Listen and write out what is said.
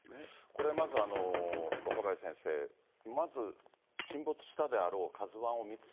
これ、まずは若林先生、まず、沈没したであろうカズワンを見つ